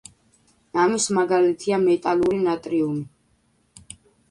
ამის მაგალითია მეტალური ნატრიუმი.